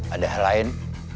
ada hal lain